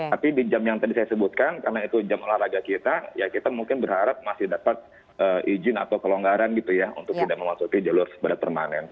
tapi di jam yang tadi saya sebutkan karena itu jam olahraga kita ya kita mungkin berharap masih dapat izin atau kelonggaran gitu ya untuk tidak memasuki jalur sepeda permanen